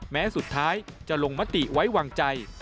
แม้สุดท้ายจะลงมติไว้วางใจ